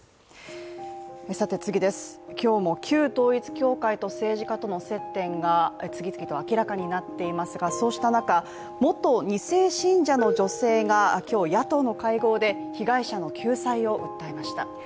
今日も旧統一教会と政治家との接点が次々と明らかになっていますがそうした中、元２世信者の女性が今日、野党の会合で被害者の救済を訴えました。